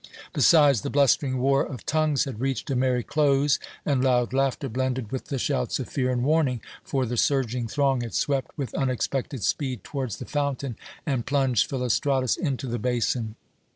Besides, the blustering war of tongues had reached a merry close, and loud laughter blended with the shouts of fear and warning; for the surging throng had swept with unexpected speed towards the fountain and plunged Philostratus into the basin.